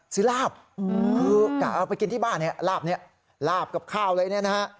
ซื้อราบเอาไปกินที่บ้านราบกับข้าวเลยนะฮะ